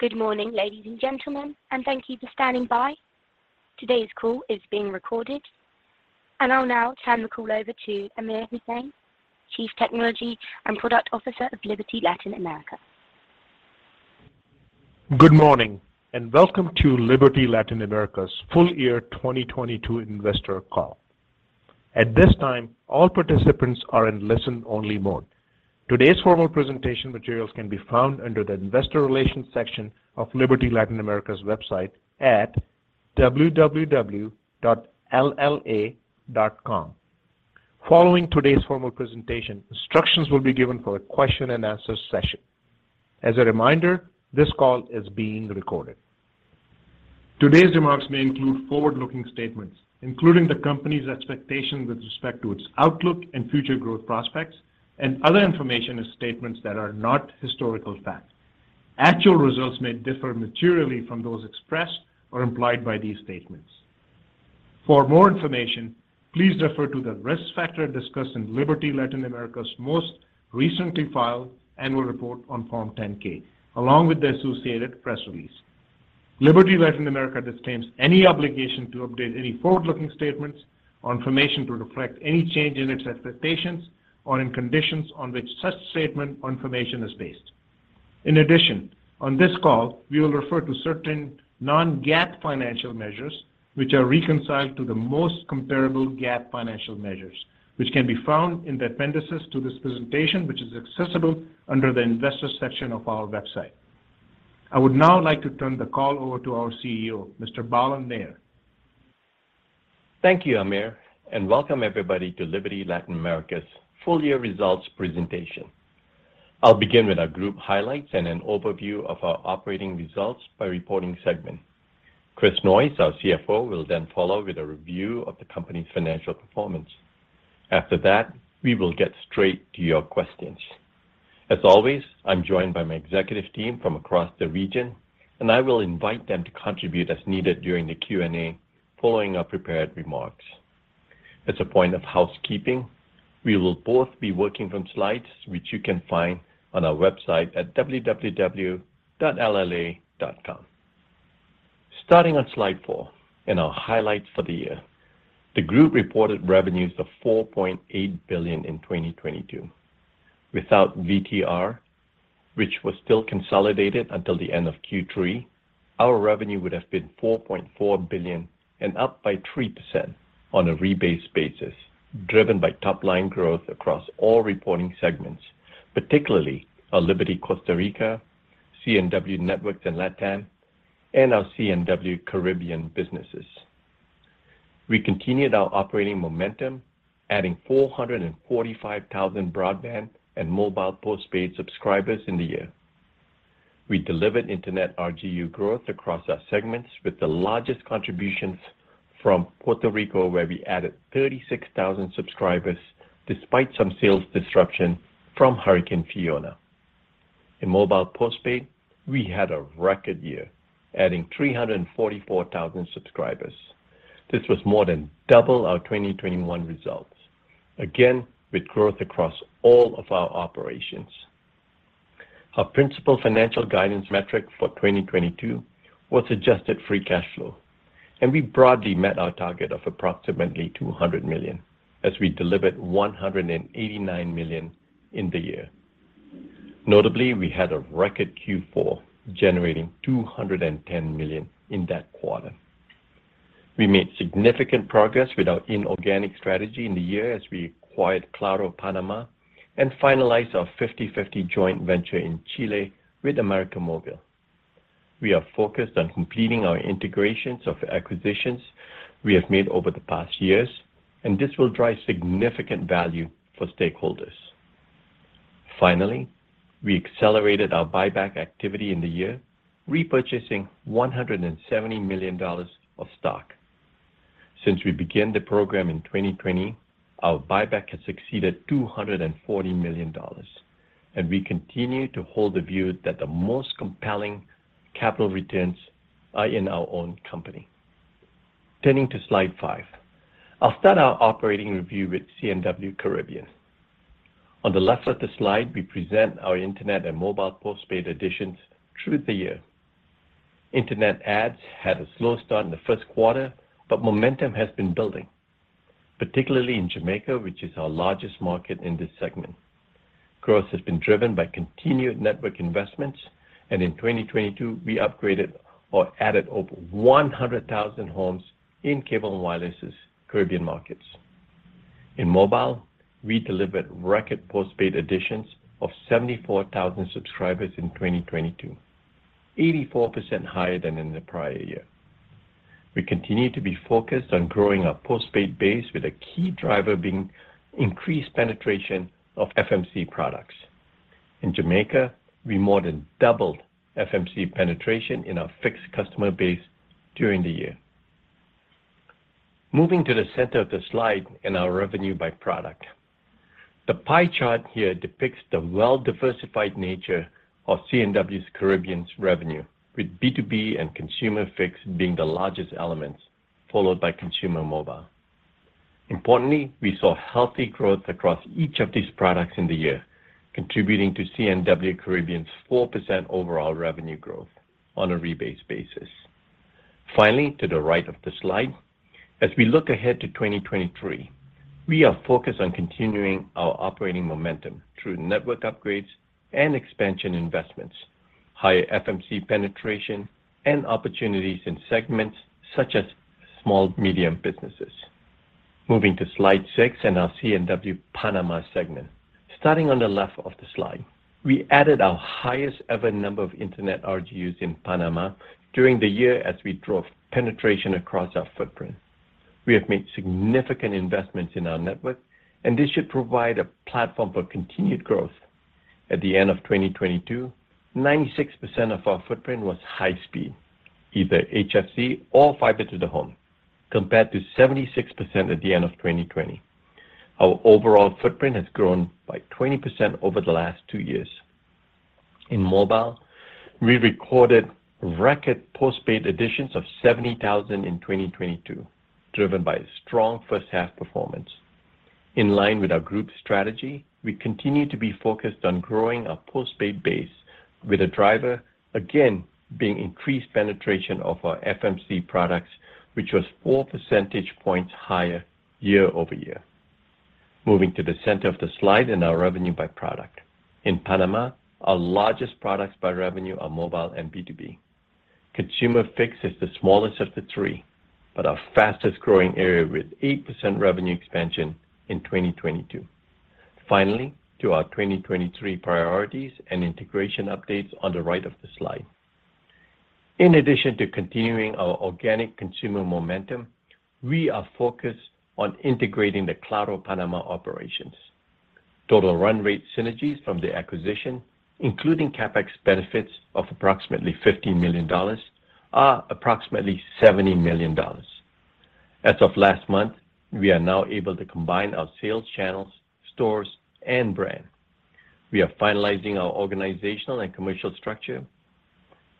Good morning, ladies and gentlemen, and thank you for standing by. Today's call is being recorded. I'll now turn the call over to Aamir Hussain, Chief Technology and Product Officer of Liberty Latin America. Good morning, welcome to Liberty Latin America's full year 2022 investor call. At this time, all participants are in listen-only mode. Today's formal presentation materials can be found under the investor relations section of Liberty Latin America's website at www.lla.com. Following today's formal presentation, instructions will be given for a question and answer session. As a reminder, this call is being recorded. Today's remarks may include forward-looking statements, including the company's expectations with respect to its outlook and future growth prospects and other information and statements that are not historical facts. Actual results may differ materially from those expressed or implied by these statements. For more information, please refer to the risk factors discussed in Liberty Latin America's most recently filed annual report on Form 10-K, along with the associated press release. Liberty Latin America disclaims any obligation to update any forward-looking statements or information to reflect any change in its expectations or in conditions on which such statement or information is based. In addition, on this call, we will refer to certain non-GAAP financial measures which are reconciled to the most comparable GAAP financial measures, which can be found in the appendices to this presentation, which is accessible under the investor section of our website. I would now like to turn the call over to our CEO, Mr. Balan Nair. Thank you, Aamir, and welcome everybody to Liberty Latin America's full-year results presentation. I'll begin with our group highlights and an overview of our operating results by reporting segment. Chris Noyes, our CFO, will then follow with a review of the company's financial performance. After that, we will get straight to your questions. As always, I'm joined by my executive team from across the region, and I will invite them to contribute as needed during the Q&A following our prepared remarks. As a point of housekeeping, we will both be working from slides which you can find on our website at www.lla.com. Starting on slide 4, in our highlights for the year. The group reported revenues of $4.8 billion in 2022. Without VTR, which was still consolidated until the end of Q3, our revenue would have been $4.4 billion and up by 3% on a rebased basis, driven by top-line growth across all reporting segments, particularly our Liberty Costa Rica, C&W Networks, and LatAm, and our C&W Caribbean businesses. We continued our operating momentum, adding 445,000 broadband and mobile postpaid subscribers in the year. We delivered internet RGU growth across our segments with the largest contributions from Puerto Rico, where we added 36,000 subscribers despite some sales disruption from Hurricane Fiona. In mobile postpaid, we had a record year, adding 344,000 subscribers. This was more than double our 2021 results, again, with growth across all of our operations. Our principal financial guidance metric for 2022 was Adjusted Free Cash Flow, and we broadly met our target of approximately $200 million as we delivered $189 million in the year. Notably, we had a record Q4, generating $210 million in that quarter. We made significant progress with our inorganic strategy in the year as we acquired Claro Panamá and finalized our 50/50 joint venture in Chile with América Móvil. We are focused on completing our integrations of acquisitions we have made over the past years, and this will drive significant value for stakeholders. Finally, we accelerated our buyback activity in the year, repurchasing $170 million of stock. Since we began the program in 2020, our buyback has exceeded $240 million. We continue to hold the view that the most compelling capital returns are in our own company. Turning to slide 5. I'll start our operating review with C&W Caribbean. On the left of the slide, we present our internet and mobile postpaid additions through the year. Internet adds had a slow start in the first quarter, but momentum has been building, particularly in Jamaica, which is our largest market in this segment. Growth has been driven by continued network investments. In 2022, we upgraded or added over 100,000 homes in Cable & Wireless' Caribbean markets. In mobile, we delivered record postpaid additions of 74,000 subscribers in 2022, 84% higher than in the prior year. We continue to be focused on growing our postpaid base with a key driver being increased penetration of FMC products. In Jamaica, we more than doubled FMC penetration in our fixed customer base during the year. Moving to the center of the slide in our revenue by product. The pie chart here depicts the well-diversified nature of C&W Caribbean's revenue, with B2B and consumer fixed being the largest elements, followed by consumer mobile. Importantly, we saw healthy growth across each of these products in the year, contributing to C&W Caribbean's 4% overall revenue growth on a rebased basis. Finally, to the right of the slide, as we look ahead to 2023, we are focused on continuing our operating momentum through network upgrades and expansion investments, higher FMC penetration, and opportunities in segments such as small medium businesses. Moving to slide 6 in our C&W Panama segment. Starting on the left of the slide, we added our highest ever number of Internet RGUs in Panama during the year as we drove penetration across our footprint. We have made significant investments in our network, this should provide a platform for continued growth. At the end of 2022, 96% of our footprint was high speed, either HFC or fiber to the home, compared to 76% at the end of 2020. Our overall footprint has grown by 20% over the last two years. In mobile, we recorded record postpaid additions of 70,000 in 2022, driven by strong first half performance. In line with our group strategy, we continue to be focused on growing our postpaid base with a driver again being increased penetration of our FMC products, which was four percentage points higher year-over-year. Moving to the center of the slide and our revenue by product. In Panama, our largest products by revenue are mobile and B2B. Consumer fixed is the smallest of the three, but our fastest growing area with 8% revenue expansion in 2022. To our 2023 priorities and integration updates on the right of the slide. In addition to continuing our organic consumer momentum, we are focused on integrating the Claro Panamá operations. Total run rate synergies from the acquisition, including CapEx benefits of approximately $15 million, are approximately $70 million. As of last month, we are now able to combine our sales channels, stores, and brand. We are finalizing our organizational and commercial structure,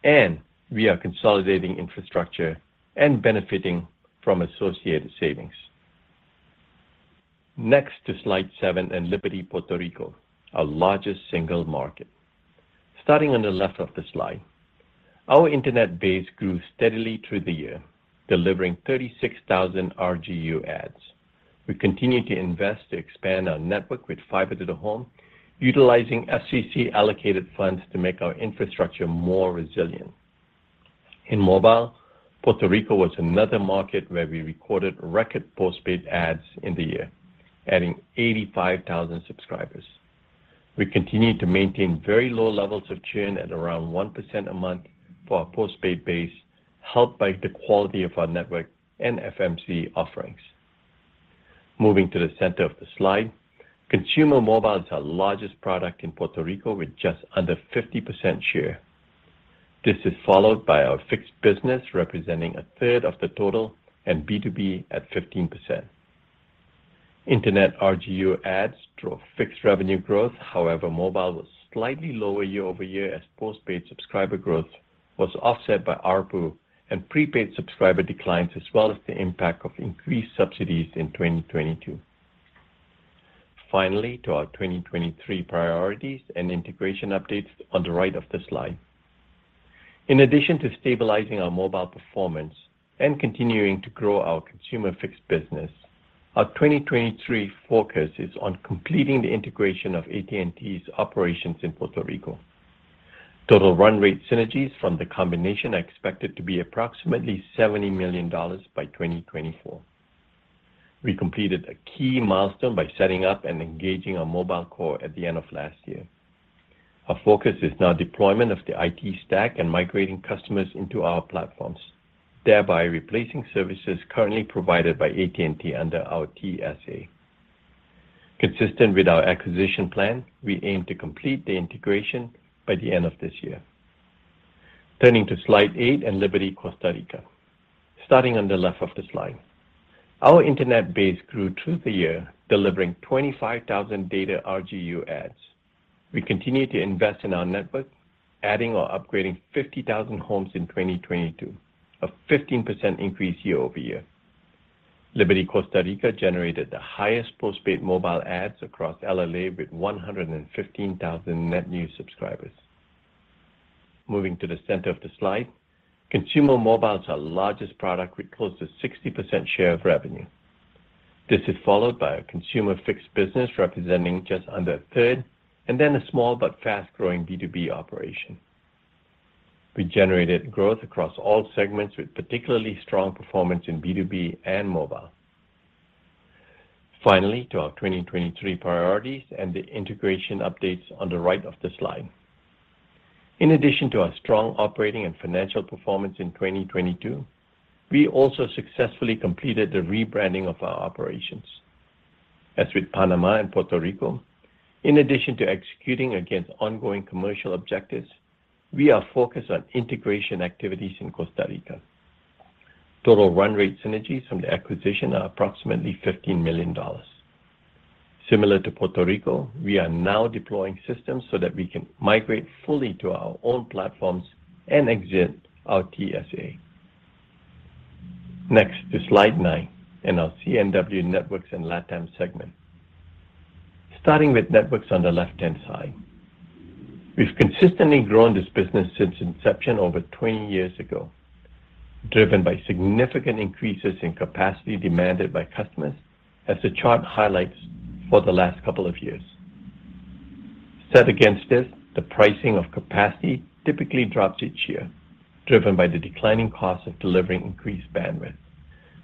and we are consolidating infrastructure and benefiting from associated savings. Next to slide 7 and Liberty Puerto Rico, our largest single market. Starting on the left of the slide, our internet base grew steadily through the year, delivering 36,000 RGU adds. We continue to invest to expand our network with fiber to the home, utilizing FCC allocated funds to make our infrastructure more resilient. In mobile, Puerto Rico was another market where we recorded record postpaid adds in the year, adding 85,000 subscribers. We continued to maintain very low levels of churn at around 1% a month for our postpaid base, helped by the quality of our network and FMC offerings. Moving to the center of the slide, consumer mobile is our largest product in Puerto Rico with just under 50% share. This is followed by our fixed business representing 1/3 of the total and B2B at 15%. Internet RGU adds drove fixed revenue growth. However, mobile was slightly lower year-over-year as postpaid subscriber growth was offset by ARPU and prepaid subscriber declines as well as the impact of increased subsidies in 2022. Finally, to our 2023 priorities and integration updates on the right of the slide. In addition to stabilizing our mobile performance and continuing to grow our consumer fixed business, our 2023 focus is on completing the integration of AT&T's operations in Puerto Rico. Total run rate synergies from the combination are expected to be approximately $70 million by 2024. We completed a key milestone by setting up and engaging our mobile core at the end of last year. Our focus is now deployment of the IT stack and migrating customers into our platforms, thereby replacing services currently provided by AT&T under our TSA. Consistent with our acquisition plan, we aim to complete the integration by the end of this year. Turning to slide 8 and Liberty Costa Rica. Starting on the left of the slide. Our Internet base grew through the year, delivering 25,000 data RGU adds. We continued to invest in our network, adding or upgrading 50,000 homes in 2022, a 15% increase year-over-year. Liberty Costa Rica generated the highest postpaid mobile adds across LLA with 115,000 net new subscribers. Moving to the center of the slide, consumer mobile is our largest product with close to 60% share of revenue. This is followed by a consumer fixed business representing just under a third and then a small but fast-growing B2B operation. We generated growth across all segments with particularly strong performance in B2B and mobile. Finally, to our 2023 priorities and the integration updates on the right of the slide. In addition to our strong operating and financial performance in 2022, we also successfully completed the rebranding of our operations. As with Panama and Puerto Rico, in addition to executing against ongoing commercial objectives, we are focused on integration activities in Costa Rica. Total run rate synergies from the acquisition are approximately $15 million. Similar to Puerto Rico, we are now deploying systems so that we can migrate fully to our own platforms and exit our TSA. Next is slide 9 in our C&W Networks and LatAm segment. Starting with networks on the left-hand side. We've consistently grown this business since inception over 20 years ago, driven by significant increases in capacity demanded by customers, as the chart highlights for the last couple of years. Set against this, the pricing of capacity typically drops each year, driven by the declining cost of delivering increased bandwidth.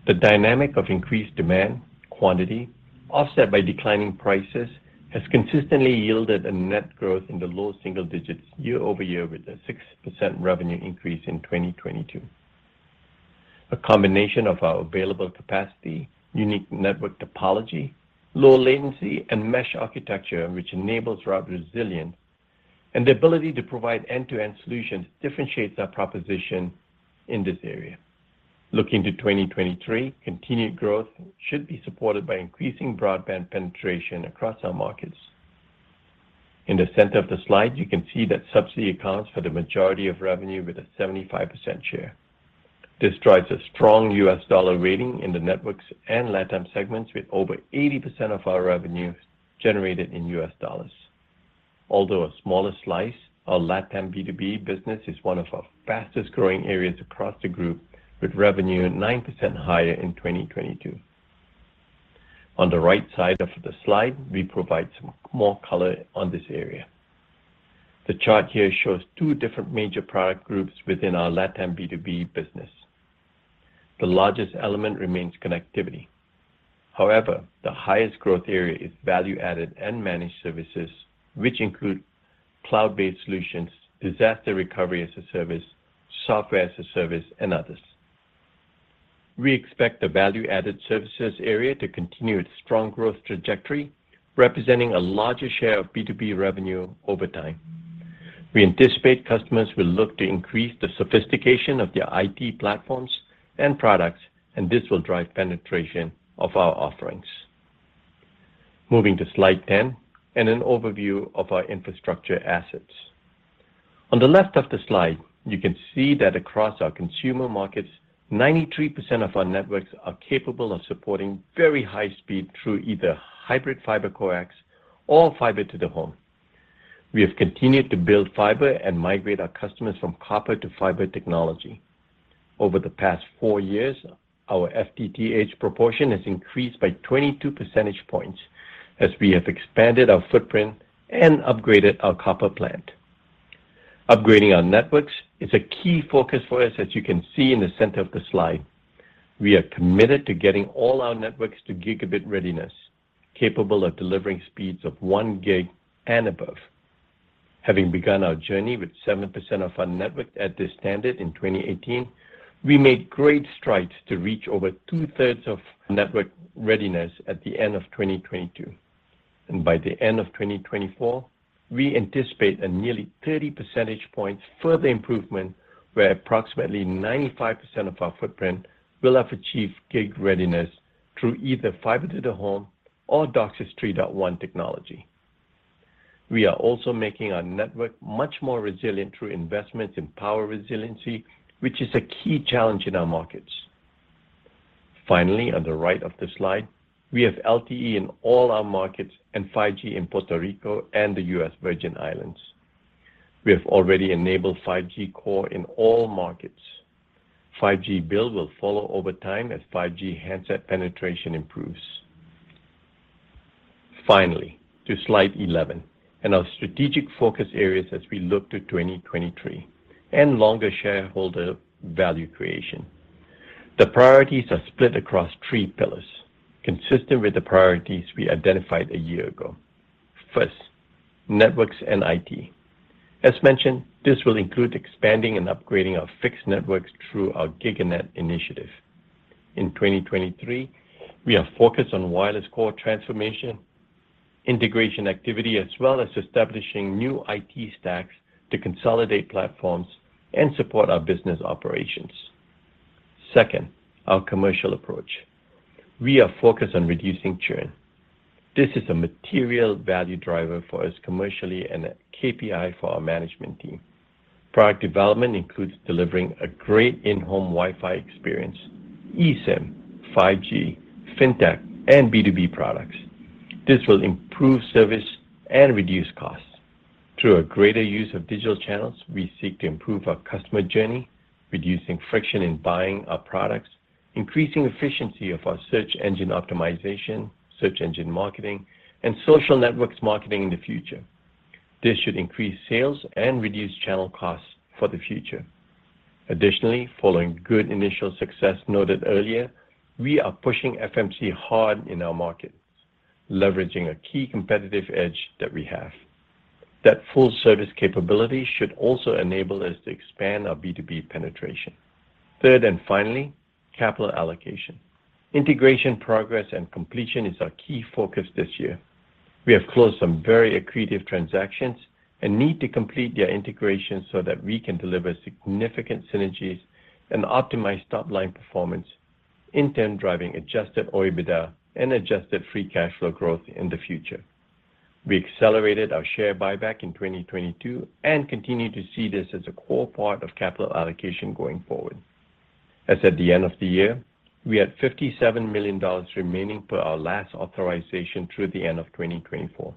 The dynamic of increased demand, quantity, offset by declining prices, has consistently yielded a net growth in the low single digits year-over-year with a 6% revenue increase in 2022. A combination of our available capacity, unique network topology, low latency, and mesh architecture, which enables router resilience, and the ability to provide end-to-end solutions differentiates our proposition in this area. Looking to 2023, continued growth should be supported by increasing broadband penetration across our markets. In the center of the slide, you can see that subsidy accounts for the majority of revenue with a 75% share. This drives a strong U.S. dollar rating in the networks and LatAm segments with over 80% of our revenue generated in U.S. dollars. Although a smaller slice, our LatAm B2B business is one of our fastest-growing areas across the group with revenue 9% higher in 2022. On the right side of the slide, we provide some more color on this area. The chart here shows two different major product groups within our LatAm B2B business. The largest element remains connectivity. However, the highest growth area is value-added and managed services, which include cloud-based solutions, disaster recovery as a service, software as a service, and others. We expect the value-added services area to continue its strong growth trajectory, representing a larger share of B2B revenue over time. We anticipate customers will look to increase the sophistication of their IT platforms and products, and this will drive penetration of our offerings. Moving to slide 10 and an overview of our infrastructure assets. On the left of the slide, you can see that across our consumer markets, 93% of our networks are capable of supporting very high speed through either hybrid fiber coax or fiber to the home. We have continued to build fiber and migrate our customers from copper to fiber technology. Over the past 4 years, our FTTH proportion has increased by 22 percentage points as we have expanded our footprint and upgraded our copper plant. Upgrading our networks is a key focus for us as you can see in the center of the slide. We are committed to getting all our networks to gigabit readiness, capable of delivering speeds of 1 gig and above. Having begun our journey with 7% of our network at this standard in 2018, we made great strides to reach over two-thirds of network readiness at the end of 2022. By the end of 2024, we anticipate a nearly 30 percentage points further improvement, where approximately 95% of our footprint will have achieved gig readiness through either fiber to the home or DOCSIS 3.1 technology. We are also making our network much more resilient through investments in power resiliency, which is a key challenge in our markets. On the right of the slide, we have LTE in all our markets and 5G in Puerto Rico and the U.S. Virgin Islands. We have already enabled 5G core in all markets. 5G build will follow over time as 5G handset penetration improves. To slide 11 and our strategic focus areas as we look to 2023 and longer shareholder value creation. The priorities are split across three pillars, consistent with the priorities we identified a year ago. First, networks and IT. As mentioned, this will include expanding and upgrading our fixed networks through our GigaNet initiative. In 2023, we are focused on wireless core transformation, integration activity, as well as establishing new IT stacks to consolidate platforms and support our business operations. Second, our commercial approach. We are focused on reducing churn. This is a material value driver for us commercially and a KPI for our management team. Product development includes delivering a great in-home Wi-Fi experience, eSIM, 5G, fintech, and B2B products. This will improve service and reduce costs. Through a greater use of digital channels, we seek to improve our customer journey, reducing friction in buying our products, increasing efficiency of our search engine optimization, search engine marketing, and social networks marketing in the future. This should increase sales and reduce channel costs for the future. Additionally, following good initial success noted earlier, we are pushing FMC hard in our markets, leveraging a key competitive edge that we have. That full service capability should also enable us to expand our B2B penetration. Third and finally, capital allocation. Integration progress, and completion is our key focus this year. We have closed some very accretive transactions and need to complete their integration so that we can deliver significant synergies and optimize top-line performance, in turn, driving Adjusted OIBDA and Adjusted Free Cash Flow growth in the future. We accelerated our share buyback in 2022 and continue to see this as a core part of capital allocation going forward. As at the end of the year, we had $57 million remaining per our last authorization through the end of 2024.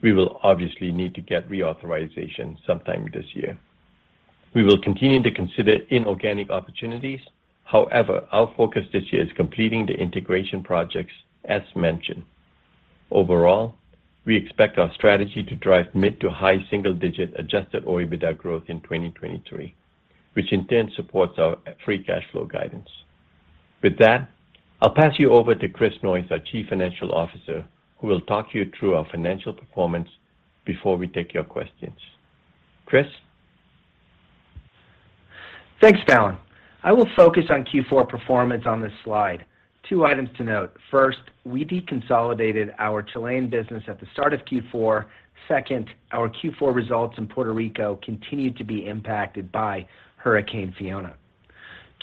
We will obviously need to get reauthorization sometime this year. We will continue to consider inorganic opportunities. However, our focus this year is completing the integration projects as mentioned. Overall, we expect our strategy to drive mid to high single-digit Adjusted OIBDA growth in 2023, which in turn supports our free cash flow guidance. With that, I'll pass you over to Chris Noyes, our Chief Financial Officer, who will talk you through our financial performance before we take your questions. Chris? Thanks, Darren. I will focus on Q4 performance on this slide. Two items to note. First, we deconsolidated our Chilean business at the start of Q4. Second, our Q4 results in Puerto Rico continued to be impacted by Hurricane Fiona.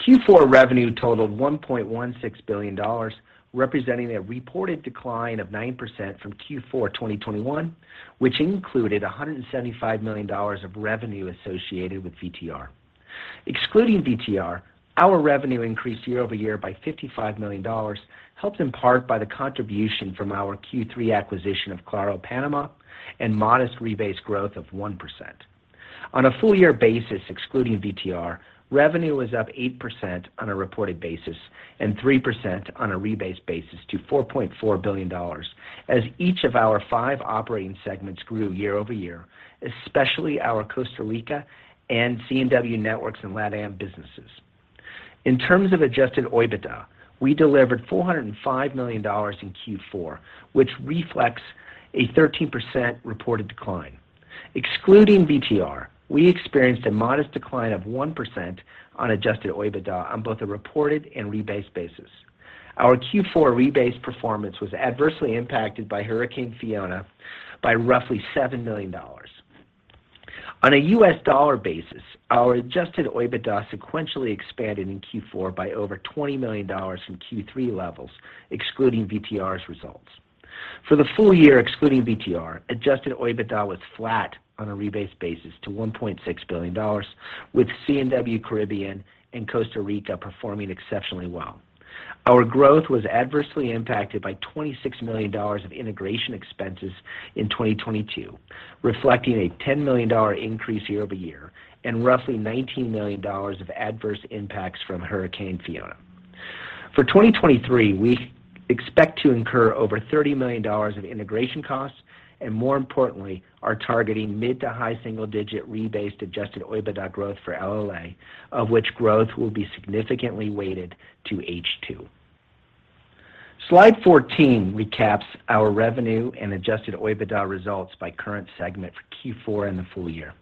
Q4 revenue totaled $1.16 billion, representing a reported decline of 9% from Q4 2021, which included $175 million of revenue associated with VTR. Excluding VTR, our revenue increased year-over-year by $55 million, helped in part by the contribution from our Q3 acquisition of Claro Panamá and modest rebased growth of 1%. On a full year basis, excluding VTR, revenue was up 8% on a reported basis and 3% on a rebased basis to $4.4 billion as each of our 5 operating segments grew year-over-year, especially our Costa Rica and C&W Networks and LatAm businesses. In terms of Adjusted OIBDA, we delivered $405 million in Q4, which reflects a 13% reported decline. Excluding VTR, we experienced a modest decline of 1% on Adjusted OIBDA on both a reported and rebased basis. Our Q4 rebased performance was adversely impacted by Hurricane Fiona by roughly $7 million. On a U.S. dollar basis, our Adjusted OIBDA sequentially expanded in Q4 by over $20 million from Q3 levels, excluding VTR's results. For the full year, excluding VTR, Adjusted OIBDA was flat on a rebased basis to $1.6 billion, with C&W Caribbean and Costa Rica performing exceptionally well. Our growth was adversely impacted by $26 million of integration expenses in 2022, reflecting a $10 million increase year-over-year and roughly $19 million of adverse impacts from Hurricane Fiona. For 2023, we expect to incur over $30 million of integration costs. More importantly, are targeting mid to high single-digit rebased Adjusted OIBDA growth for LLA, of which growth will be significantly weighted to H2. Slide 14 recaps our revenue and Adjusted OIBDA results by current segment for Q4 and the full year.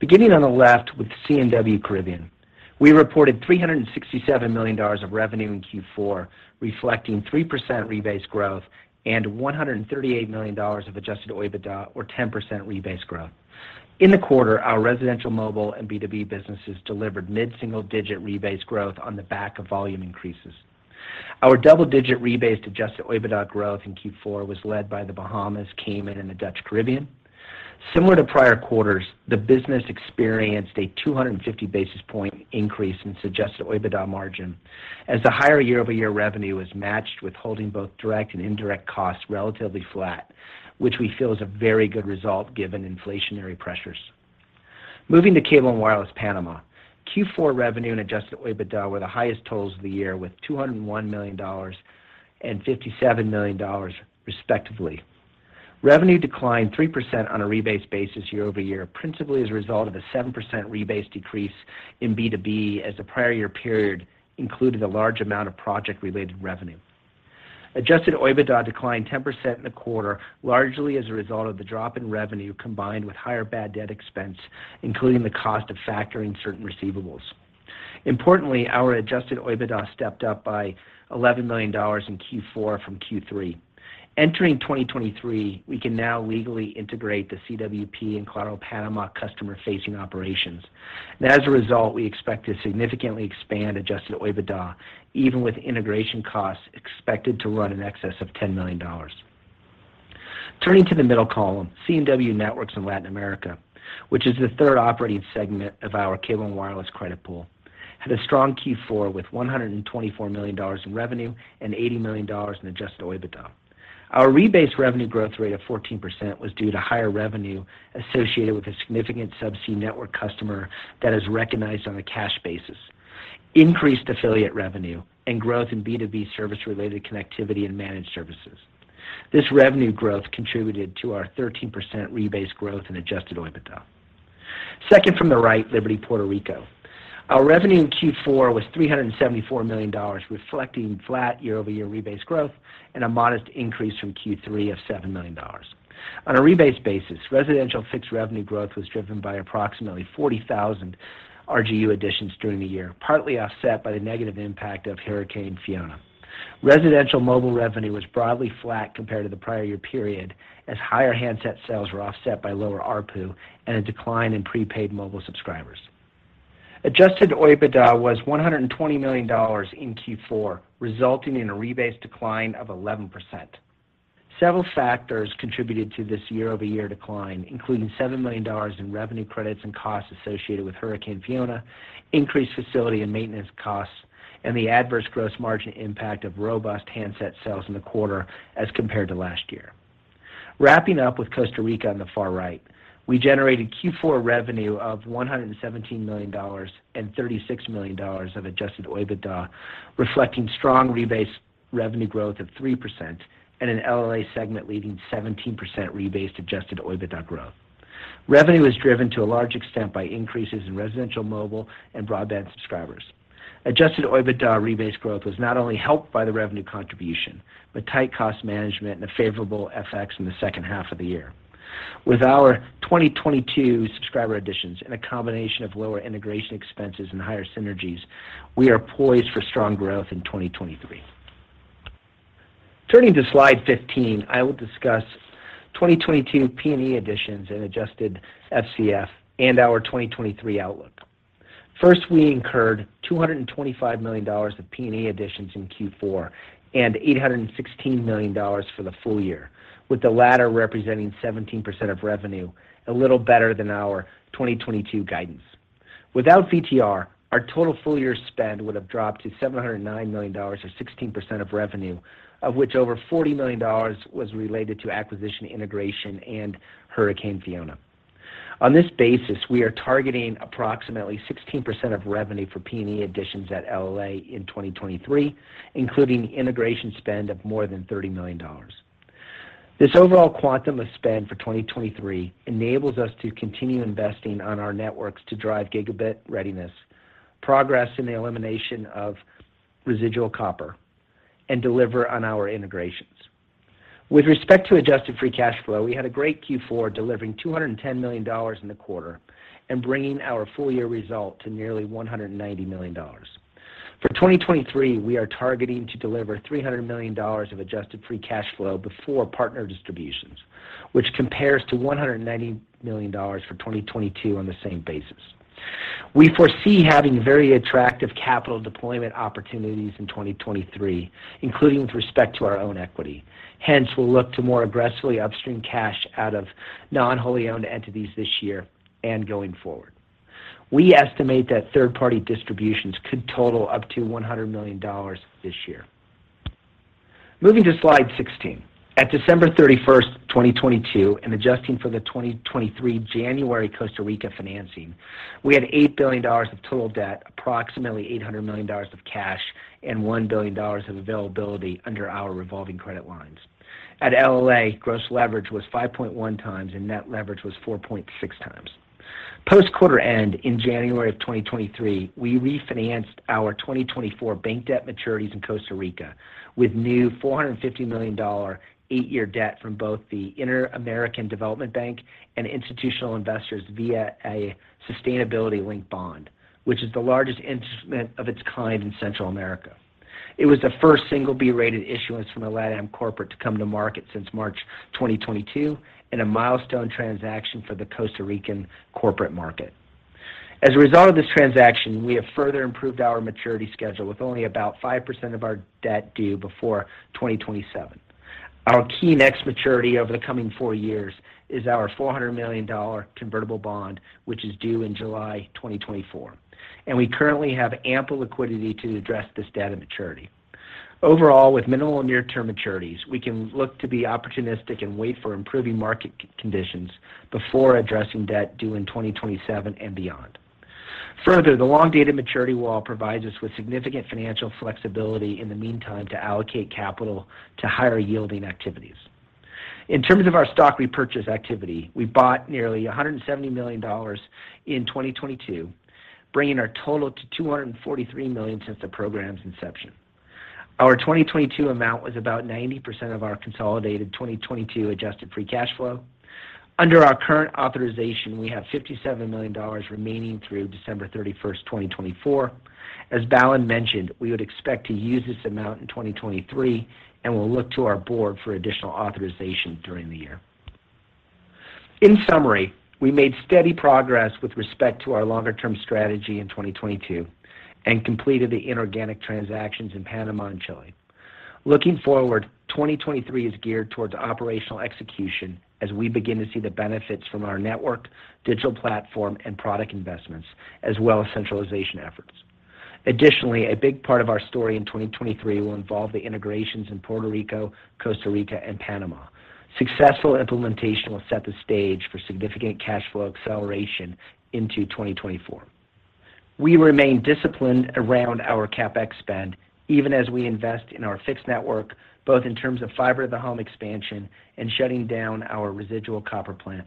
Beginning on the left with C&W Caribbean, we reported $367 million of revenue in Q4, reflecting 3% rebased growth and $138 million of Adjusted OIBDA or 10% rebased growth. In the quarter, our residential, mobile, and B2B businesses delivered mid-single digit rebased growth on the back of volume increases. Our double-digit rebased Adjusted OIBDA growth in Q4 was led by the Bahamas, Cayman, and the Dutch Caribbean. Similar to prior quarters, the business experienced a 250 basis point increase in Adjusted OIBDA margin as the higher year-over-year revenue was matched with holding both direct and indirect costs relatively flat, which we feel is a very good result given inflationary pressures. Moving to Cable & Wireless Panama, Q4 revenue and Adjusted OIBDA were the highest totals of the year with $201 million and $57 million, respectively. Revenue declined 3% on a rebased basis year-over-year, principally as a result of a 7% rebased decrease in B2B as the prior year period included a large amount of project-related revenue. Adjusted OIBDA declined 10% in the quarter, largely as a result of the drop in revenue combined with higher bad debt expense, including the cost of factoring certain receivables. Importantly, our Adjusted OIBDA stepped up by $11 million in Q4 from Q3. Entering 2023, we can now legally integrate the CWP and Claro Panamá customer-facing operations. As a result, we expect to significantly expand Adjusted OIBDA, even with integration costs expected to run in excess of $10 million. Turning to the middle column, C&W Networks in Latin America, which is the third operating segment of our Cable & Wireless credit pool, had a strong Q4 with $124 million in revenue and $80 million in Adjusted OIBDA. Our rebased revenue growth rate of 14% was due to higher revenue associated with a significant subsea network customer that is recognized on a cash basis, increased affiliate revenue, and growth in B2B service-related connectivity and managed services. This revenue growth contributed to our 13% rebased growth in Adjusted OIBDA. Second from the right, Liberty Puerto Rico. Our revenue in Q4 was $374 million, reflecting flat year-over-year rebased growth and a modest increase from Q3 of $7 million. On a rebased basis, residential fixed revenue growth was driven by approximately 40,000 RGU additions during the year, partly offset by the negative impact of Hurricane Fiona. Residential mobile revenue was broadly flat compared to the prior year period as higher handset sales were offset by lower ARPU and a decline in prepaid mobile subscribers. Adjusted OIBDA was $120 million in Q4, resulting in a rebased decline of 11%. Several factors contributed to this year-over-year decline, including $7 million in revenue credits and costs associated with Hurricane Fiona, increased facility and maintenance costs, and the adverse gross margin impact of robust handset sales in the quarter as compared to last year. Wrapping up with Costa Rica on the far right, we generated Q4 revenue of $117 million and $36 million of Adjusted OIBDA, reflecting strong rebased revenue growth of 3% and an LLA segment leading 17% rebased Adjusted OIBDA growth. Revenue was driven to a large extent by increases in residential mobile and broadband subscribers. Adjusted OIBDA rebased growth was not only helped by the revenue contribution, but tight cost management and a favorable FX in the second half of the year. With our 2022 subscriber additions and a combination of lower integration expenses and higher synergies, we are poised for strong growth in 2023. Turning to Slide 15, I will discuss 2022 P&E Additions and Adjusted FCF and our 2023 outlook. First, we incurred $225 million of P&E Additions in Q4 and $816 million for the full year, with the latter representing 17% of revenue, a little better than our 2022 guidance. Without VTR, our total full year spend would have dropped to $709 million, or 16% of revenue, of which over $40 million was related to acquisition, integration, and Hurricane Fiona. On this basis, we are targeting approximately 16% of revenue for P&E Additions at LLA in 2023, including integration spend of more than $30 million. This overall quantum of spend for 2023 enables us to continue investing on our networks to drive gigabit readiness, progress in the elimination of residual copper, and deliver on our integrations. With respect to Adjusted Free Cash Flow, we had a great Q4, delivering $210 million in the quarter and bringing our full year result to nearly $190 million. For 2023, we are targeting to deliver $300 million of Adjusted Free Cash Flow before partner distributions, which compares to $190 million for 2022 on the same basis. We foresee having very attractive capital deployment opportunities in 2023, including with respect to our own equity. Hence, we'll look to more aggressively upstream cash out of non-wholly owned entities this year and going forward. We estimate that third party distributions could total up to $100 million this year. Moving to Slide 16. At December 31st, 2022, adjusting for the 2023 January Costa Rica financing, we had $8 billion of total debt, approximately $800 million of cash, and $1 billion of availability under our revolving credit lines. At LLA, gross leverage was 5.1 times, net leverage was 4.6 times. Post quarter end in January of 2023, we refinanced our 2024 bank debt maturities in Costa Rica with new $450 million 8-year debt from both the Inter-American Development Bank and institutional investors via a Sustainability-Linked Bond, which is the largest instrument of its kind in Central America. It was the first single B-rated issuance from a LatAm corporate to come to market since March 2022, a milestone transaction for the Costa Rican corporate market. As a result of this transaction, we have further improved our maturity schedule with only about 5% of our debt due before 2027. Our key next maturity over the coming four years is our $400 million convertible bond, which is due in July 2024. We currently have ample liquidity to address this debt and maturity. Overall, with minimal near term maturities, we can look to be opportunistic and wait for improving market conditions before addressing debt due in 2027 and beyond. Further, the long dated maturity wall provides us with significant financial flexibility in the meantime to allocate capital to higher yielding activities. In terms of our stock repurchase activity, we bought nearly $170 million in 2022, bringing our total to $243 million since the program's inception. Our 2022 amount was about 90% of our consolidated 2022 Adjusted Free Cash Flow. Under our current authorization, we have $57 million remaining through December 31, 2024. As Balan mentioned, we would expect to use this amount in 2023, and we'll look to our board for additional authorization during the year. In summary, we made steady progress with respect to our longer term strategy in 2022 and completed the inorganic transactions in Panama and Chile. Looking forward, 2023 is geared towards operational execution as we begin to see the benefits from our network, digital platform, and product investments, as well as centralization efforts. Additionally, a big part of our story in 2023 will involve the integrations in Puerto Rico, Costa Rica, and Panama. Successful implementation will set the stage for significant cash flow acceleration into 2024. We remain disciplined around our CapEx spend even as we invest in our fixed network, both in terms of fiber to the home expansion and shutting down our residual copper plant,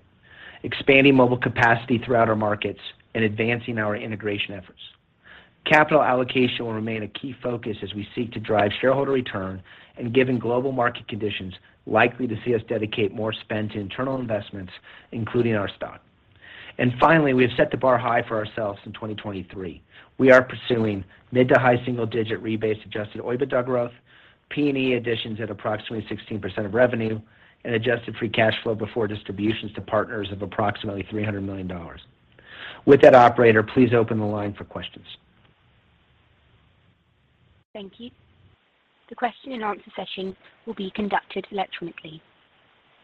expanding mobile capacity throughout our markets, and advancing our integration efforts. Capital allocation will remain a key focus as we seek to drive shareholder return and given global market conditions likely to see us dedicate more spend to internal investments, including our stock. Finally, we have set the bar high for ourselves in 2023. We are pursuing mid to high single digit rebased Adjusted EBITDA growth, P&E Additions at approximately 16% of revenue, and Adjusted Free Cash Flow before distributions to partners of approximately $300 million. With that, Operator, please open the line for questions. Thank you. The question-and-answer session will be conducted electronically.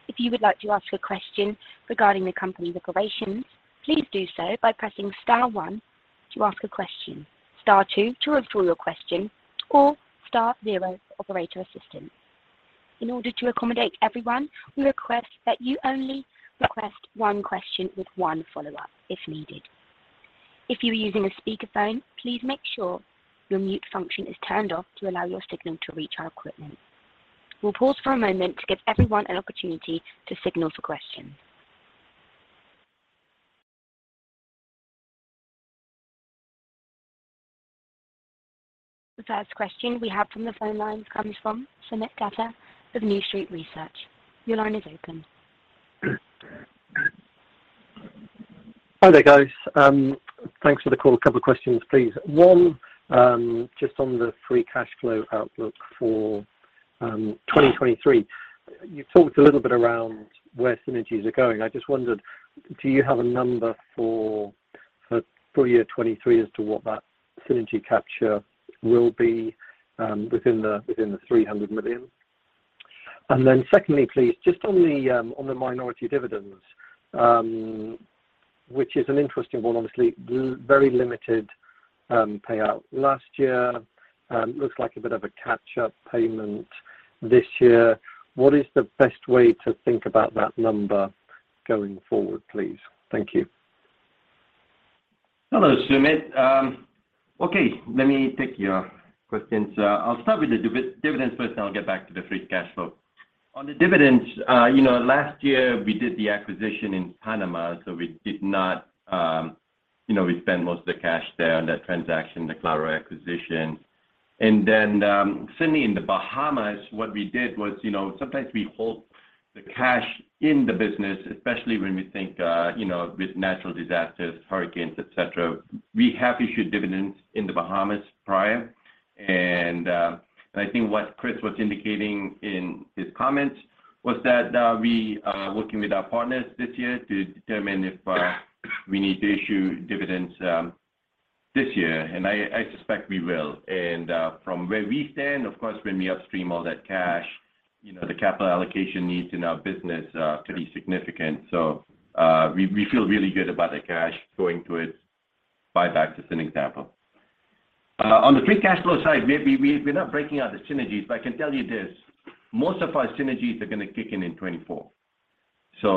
If you would like to ask a question regarding the company's operations, please do so by pressing star one to ask a question, star two to withdraw your question, or star zero for operator assistance. In order to accommodate everyone, we request that you only request one question with one follow-up if needed. If you are using a speakerphone, please make sure your mute function is turned off to allow your signal to reach our equipment. We'll pause for a moment to give everyone an opportunity to signal for questions. The first question we have from the phone lines comes from Soomit Datta of New Street Research. Your line is open. Hi there, guys. Thanks for the call. A couple of questions, please. One, just on the free cash flow outlook for 2023. You talked a little bit around where synergies are going. I just wondered, do you have a number for full year 23 as to what that synergy capture will be within the $300 million? Secondly, please, just on the on the minority dividends, which is an interesting one, obviously, very limited payout last year. Looks like a bit of a catch-up payment this year. What is the best way to think about that number going forward, please? Thank you. Hello, Soomit. Okay. Let me take your questions. I'll start with the dividends first, then I'll get back to the free cash flow. On the dividends, you know, last year we did the acquisition in Panama, so we did not, you know, we spent most of the cash there on that transaction, the Claro acquisition. Then, certainly in the Bahamas, what we did was, you know, sometimes we hold the cash in the business, especially when we think, you know, with natural disasters, hurricanes, et cetera. We have issued dividends in the Bahamas prior. I think what Chris was indicating in his comments was that, we are working with our partners this year to determine if, we need to issue dividends, this year. I suspect we will. From where we stand, of course, when we upstream all that cash, you know, the capital allocation needs in our business, can be significant. We feel really good about the cash going to it, buyback as an example. On the free cash flow side, we're not breaking out the synergies, but I can tell you this. Most of our synergies are gonna kick in in 2024.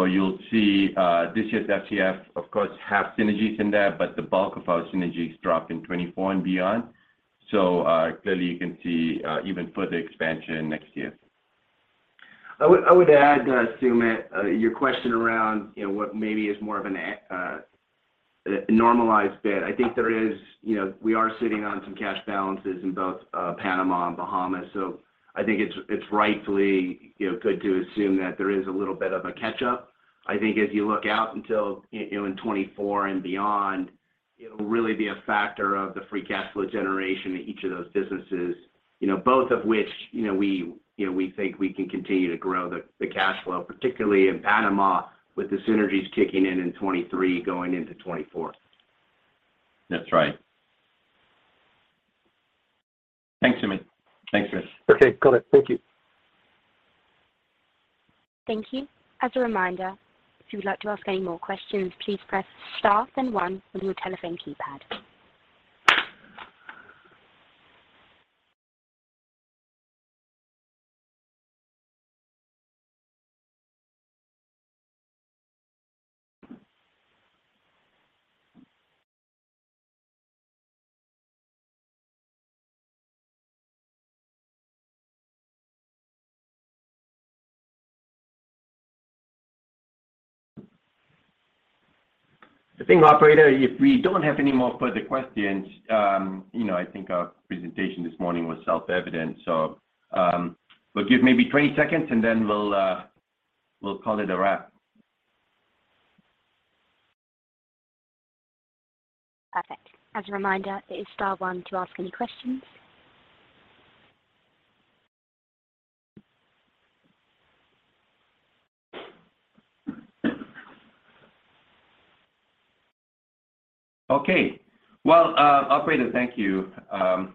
You'll see this year's FCF, of course, have synergies in there, but the bulk of our synergies drop in 2024 and beyond. Clearly you can see even further expansion next year. I would add, Soomit, your question around, you know, what maybe is more of a normalized bit. I think there is, you know, we are sitting on some cash balances in both Panama and Bahamas. I think it's rightfully, you know, good to assume that there is a little bit of a catch-up. I think if you look out until, you know, in 2024 and beyond, it'll really be a factor of the free cash flow generation in each of those businesses. You know, both of which, you know, we think we can continue to grow the cash flow, particularly in Panama, with the synergies kicking in in 2023 going into 2024. That's right. Thanks, Soomit. Thanks, Chris. Okay. Got it. Thank you. Thank you. As a reminder, if you would like to ask any more questions, please press star then one on your telephone keypad. I think, operator, if we don't have any more further questions, you know, I think our presentation this morning was self-evident. We'll give maybe 20 seconds, and then we'll call it a wrap. Perfect. As a reminder, it is star one to ask any questions. Okay. Well, operator, thank you. To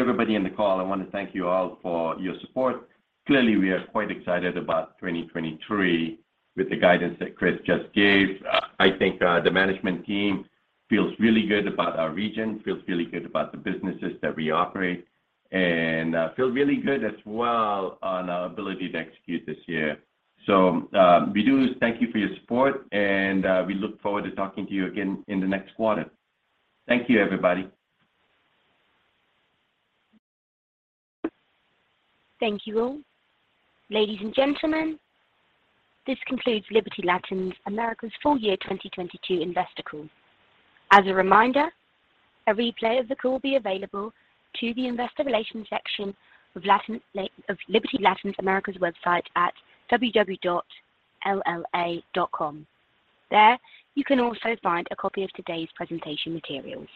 everybody in the call, I wanna thank you all for your support. Clearly, we are quite excited about 2023 with the guidance that Chris just gave. I think the management team feels really good about our region, feels really good about the businesses that we operate, and feel really good as well on our ability to execute this year. We do thank you for your support, and we look forward to talking to you again in the next quarter. Thank you, everybody. Thank you all. Ladies and gentlemen, this concludes Liberty Latin America's full year 2022 investor call. As a reminder, a replay of the call will be available to the investor relations section of Liberty Latin America's website at www.lla.com. There, you can also find a copy of today's presentation materials.